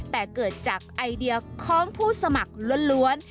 แต่เกิดจากไอเดียของผู้สมัครล้วน